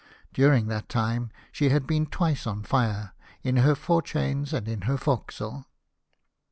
During that time she had been twice on fire — in her fore chains and in her forecastle.